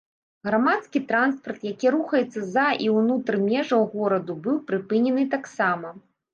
Грамадскі транспарт, які рухаецца за і ўнутр межаў гораду быў прыпынены таксама.